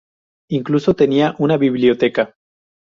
Incluso tenía una biblioteca.